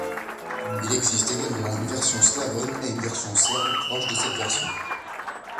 Il existe également une version slavone et une version serbe proches de cette version.